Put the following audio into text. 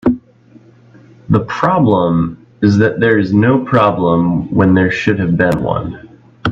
The problem is that there is no problem when there should have been one.